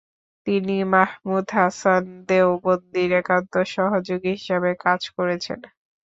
তিনি মাহমুদ হাসান দেওবন্দির একান্ত সহযোগী হিসেবে কাজ করেছেন।